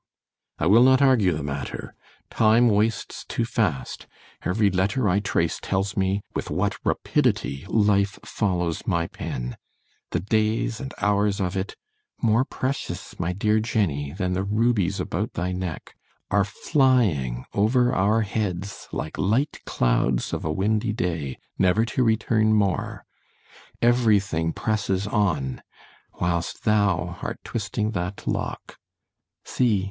I will not argue the matter: Time wastes too fast: every letter I trace tells me with what rapidity Life follows my pen: the days and hours of it, more precious, my dear Jenny! than the rubies about thy neck, are flying over our heads like light clouds of a windy day, never to return more——every thing presses on——whilst thou art twisting that lock,——see!